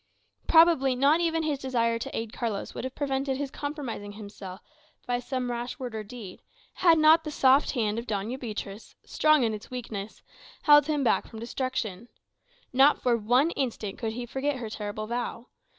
Probably, not even his desire to aid Carlos would have prevented his compromising himself by some rash word or deed, had not the soft hand of Doña Beatriz, strong in its weakness, held him back from destruction. Not for one instant could he forget her terrible vow.